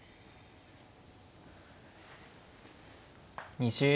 ２０秒。